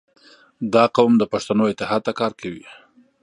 • دا قوم د پښتنو اتحاد ته کار کوي.